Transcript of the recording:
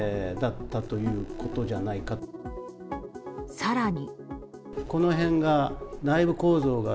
更に。